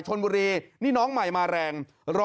ชนบุรีนี่น้องใหม่มาแรง